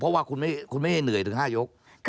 เพราะว่าคุณไม่ได้เหนื่อยถึง๕ยก